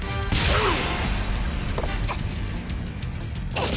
あっ！